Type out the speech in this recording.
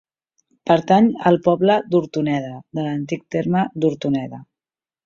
Pertany al poble d'Hortoneda, de l'antic terme d'Hortoneda.